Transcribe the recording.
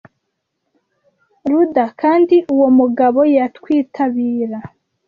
rudder kandi uwo mugabo yatwitabira. ”